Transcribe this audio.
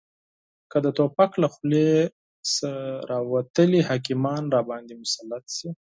که د توپک له خولې څخه راوتلي حاکمان راباندې مسلط شي